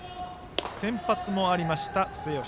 先発もありました末吉。